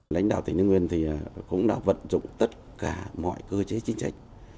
lãnh đạo tỉnh thái nguyên cũng đã vận dụng tất cả mọi cơ chế chính trách